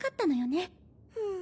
うん。